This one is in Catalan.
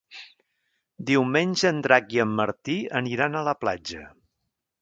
Diumenge en Drac i en Martí aniran a la platja.